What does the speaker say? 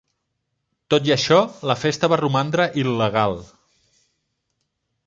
Tot i això, la festa va romandre il·legal.